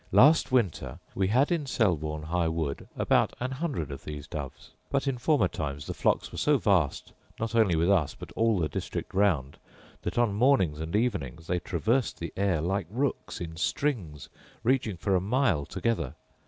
Last winter we had in Selborne high wood about an hundred of these doves; but in former times the flocks were so vast not only with us but all the district round, that on mornings and evenings they traversed the air, like rooks, in strings, reaching for a mile together.